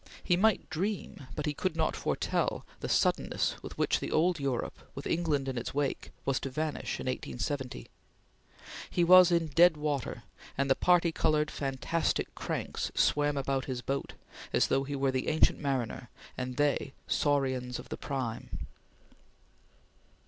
He might dream, but he could not foretell, the suddenness with which the old Europe, with England in its wake, was to vanish in 1870. He was in dead water, and the parti colored, fantastic cranks swam about his boat, as though he were the ancient mariner, and they saurians of the prime.